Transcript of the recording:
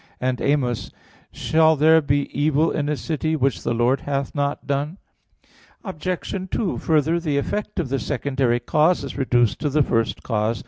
And Amos 3:6, "Shall there be evil in a city, which the Lord hath not done?" Obj. 2: Further, the effect of the secondary cause is reduced to the first cause.